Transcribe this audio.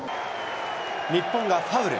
日本がファウル。